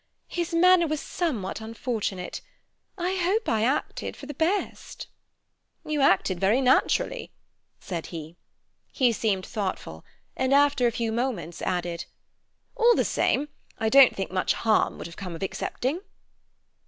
His manner was somewhat unfortunate. I hope I acted for the best." "You acted very naturally," said he. He seemed thoughtful, and after a few moments added: "All the same, I don't think much harm would have come of accepting."